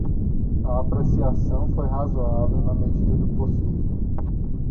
A apreciação foi razoável na medida do possível